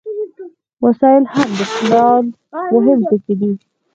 وسایل هم د پلان مهم ټکي دي.